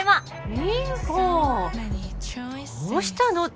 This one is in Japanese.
美帆どうしたの？